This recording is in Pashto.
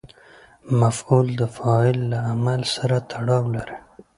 مفعول د فاعل له عمل سره تړاو لري.